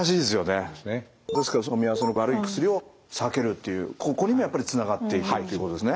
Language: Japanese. ですからのみ合わせの悪い薬を避けるっていうここにもやっぱりつながっていくっていうことですね。